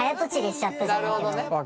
なるほどね。